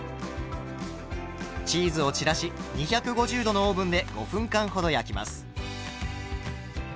チーズを散らし２５０℃のオーブンで５分間ほど焼きます。